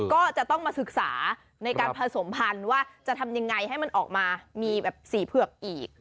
ก็จะต้องมาศึกษาในการผสมพันธุ์ว่าจะทำยังไงให้มันออกมามีแบบสีเผือกอีก